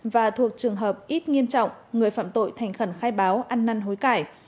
và thuộc trường hợp ít nghiêm trọng người phạm tội thành khẩn khai báo ăn năn hối cải